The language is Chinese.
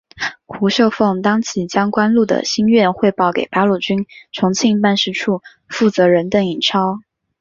胡绣凤当即将关露的心愿汇报给八路军重庆办事处负责人邓颖超。